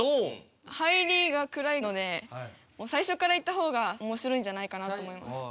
入りが暗いのでもう最初からいった方がおもしろいんじゃないかなと思います。